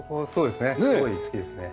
すごい好きですね。